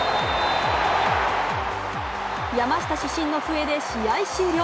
山下主審の笛で試合終了。